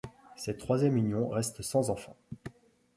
Cette troisième union reste sans enfant.